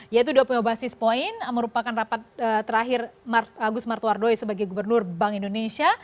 yaitu dua puluh basis points merupakan rapat terakhir agus martowar doyle sebagai gubernur bank indonesia